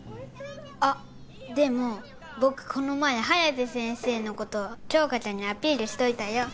あっでも僕この前颯先生のこと杏花ちゃんにアピールしといたよ